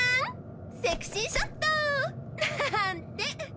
セクシーショット！なんて。